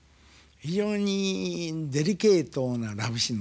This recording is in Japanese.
非常にデリケートなラブシーンのしかた。